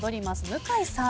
向井さん。